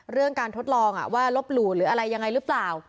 เรื่องการทดลองว่าลบหลู่หรืออะไรยังไงหรือเปล่า